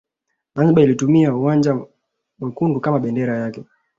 Zanzibar ilitumia uwanja mwekundu kama bendera yake